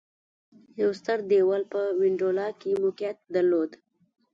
یو ستر دېوال په وینډولا کې موقعیت درلود